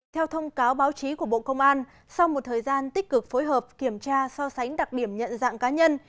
theo thông cáo báo chí của bộ công an sau một thời gian tích cực phối hợp kiểm tra so sánh đặc điểm nhận dạng cá nhân